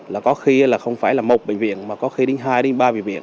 là có khi là không phải là một bệnh viện mà có khi đến hai ba bệnh viện